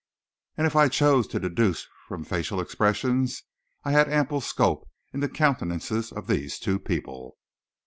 And if I chose to deduce from facial expressions I had ample scope in the countenances of these two people.